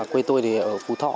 quê tôi ở phú thọ